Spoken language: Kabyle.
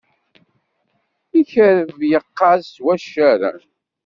Ikerreb yeqqaz s waccaren.